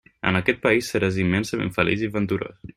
En aquest país seràs immensament feliç i venturós.